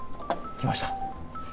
来ました。